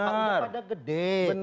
udah pada gede